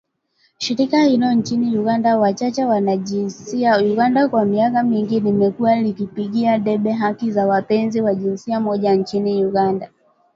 Shirika hilo nchini Uganda Wachache Wanajinsia, Uganda kwa miaka mingi limekuwa likipigia debe haki za wapenzi wa jinsia moja nchini Uganda.